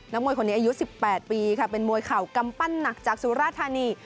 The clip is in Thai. มวยคนนี้อายุ๑๘ปีค่ะเป็นมวยเข่ากำปั้นหนักจากสุราธานี